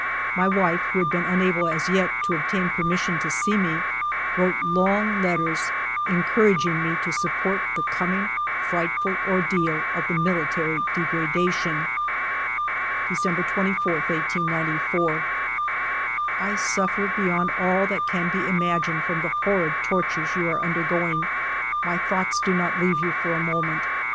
My wife, who had been unable as yet to obtain permission to see me, wrote long letters encouraging me to sup port the coming frightful ordeal of the military degradation. "December 24, 1894. " I suffer beyond all that can be imagined from the horrid tortures you are undergoing ; my thoughts do not leave you for a moment.